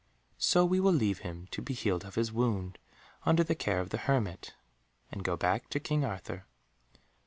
So we will leave him to be healed of his wound, under the care of the hermit, and go back to King Arthur.